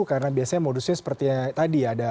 karena biasanya modusnya seperti tadi ya